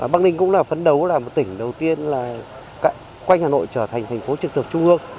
bắc ninh cũng là phấn đấu là một tỉnh đầu tiên là quanh hà nội trở thành thành phố trực tượng trung ương